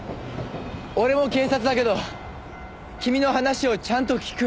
俺も警察だけど君の話をちゃんと聞く。